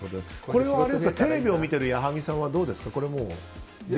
これはテレビを見ている矢作さんはどうですかね。